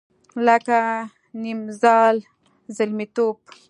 لکه نیمزال زلمیتوب